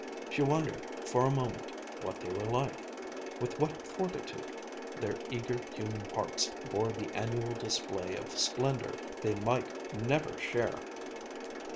She wondered, for a moment, what they were like, with what fortitude their eager human hearts bore the annual display of splendor they might never share.